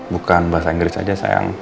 bukan bahasa inggris aja sayang